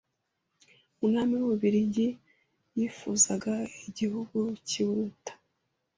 Umwami w’u Bubiligi yifuzaga igihugu kiburuta